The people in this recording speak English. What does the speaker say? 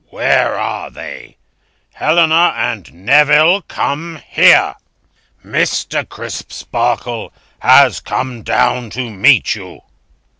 Where are they? Helena and Neville, come here! Mr. Crisparkle has come down to meet you."